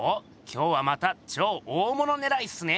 今日はまた超大物ねらいっすね。